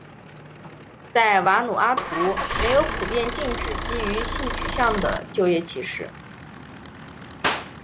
在瓦努阿图没有普遍禁止基于性取向的就业歧视。